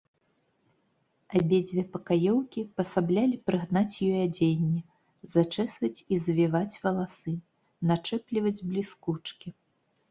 Абедзве пакаёўкі пасаблялі прыгнаць ёй адзенне, зачэсваць і завіваць валасы, начэпліваць бліскучкі.